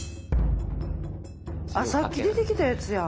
さっき出てきたやつや。